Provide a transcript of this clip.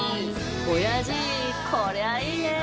おやじこりゃいいね！